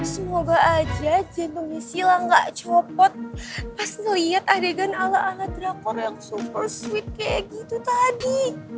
semoga aja jadi sila gak copot pas ngeliat adegan ala ala drakor yang super sweet kayak gitu tadi